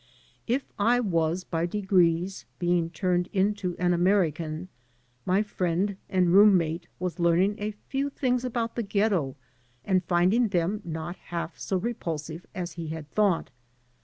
If I was by degrees being turned into an American my friend and room mate was learning a few things about the Ghetto and finding them not half so repulsive as he had thought.